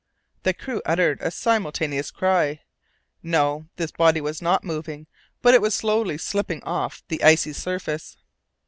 The crew uttered a simultaneous cry. No! this body was not moving, but it was slowly slipping off the icy surface.